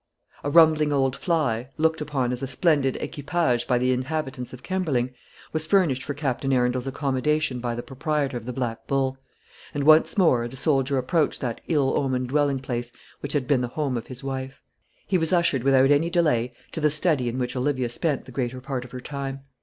A rumbling old fly looked upon as a splendid equipage by the inhabitants of Kemberling was furnished for Captain Arundel's accommodation by the proprietor of the Black Bull; and once more the soldier approached that ill omened dwelling place which had been the home of his wife. He was ushered without any delay to the study in which Olivia spent the greater part of her time.